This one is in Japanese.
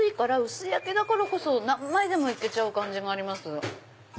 薄焼きだからこそ何枚でもいけちゃう感じがあります。